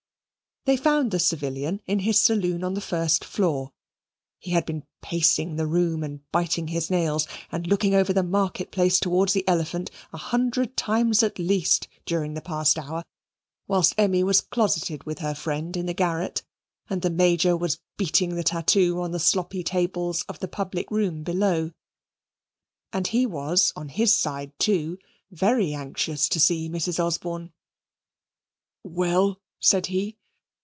They found the civilian in his saloon on the first floor; he had been pacing the room, and biting his nails, and looking over the market place towards the Elephant a hundred times at least during the past hour whilst Emmy was closeted with her friend in the garret and the Major was beating the tattoo on the sloppy tables of the public room below, and he was, on his side too, very anxious to see Mrs. Osborne. "Well?" said he.